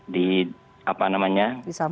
di apa namanya